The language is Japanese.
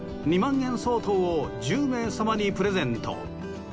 ２万円相当を１０名様にプレゼント。